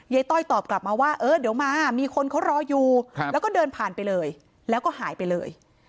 ต้อยตอบกลับมาว่าเออเดี๋ยวมามีคนเขารออยู่แล้วก็เดินผ่านไปเลยแล้วก็หายไปเลย